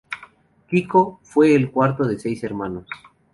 Kiko fue el cuarto de seis hermanos.